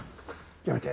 やめて！